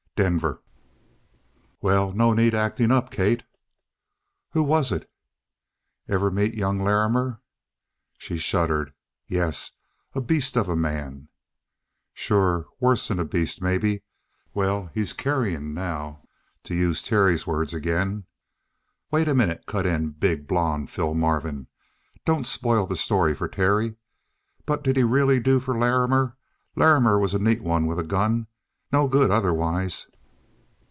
"Denver!" "Well? No need of acting up, Kate." "Who was it?" "Ever meet young Larrimer?" She shuddered. "Yes. A beast of a man." "Sure. Worse'n a beast, maybe. Well, he's carrion now, to use Terry's words again." "Wait a minute," cut in big blond Phil Marvin. Don't spoil the story for Terry. But did he really do for Larrimer? Larrimer was a neat one with a gun no good otherwise."